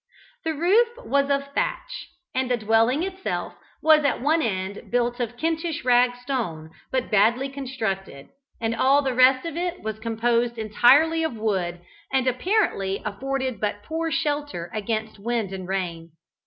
The roof was of thatch, and the dwelling itself was at one end built of Kentish rag stone, but badly constructed, and all the rest of it was composed entirely of wood, and apparently afforded but poor shelter against wind and rain.